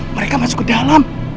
mereka masuk ke dalam